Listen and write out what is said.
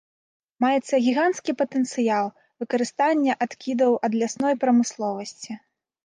Маецца гіганцкі патэнцыял выкарыстання адкідаў ад лясной прамысловасці.